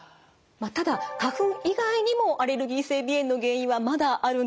ただ花粉以外にもアレルギー性鼻炎の原因はまだあるんです。